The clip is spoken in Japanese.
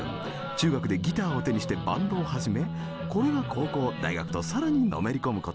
中学でギターを手にしてバンドを始めこれが高校大学と更にのめり込むことに。